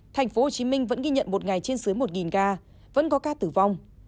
thành phố hồ chí minh vẫn ghi nhận một ngày trên dưới một ca vẫn có ca tử vong